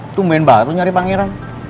itu main baru nyari pangeran